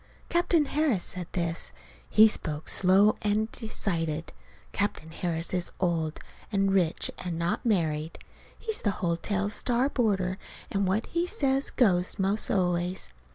Captain Harris said this. He spoke slow and decided. Captain Harris is old and rich and not married. He's the hotel's star boarder, and what he says, goes, 'most always.